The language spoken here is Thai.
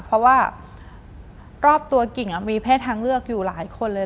เพราะว่ารอบตัวกิ่งมีเพศทางเลือกอยู่หลายคนเลย